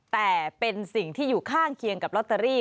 แต่เป็นสิ่งที่อยู่ข้างเคียงกับลอตเตอรี่